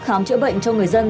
khám chữa bệnh cho người dân